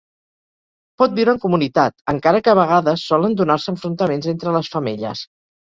Pot viure en comunitat, encara que a vegades solen donar-se enfrontaments entre les femelles.